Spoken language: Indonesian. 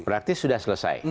praktis sudah selesai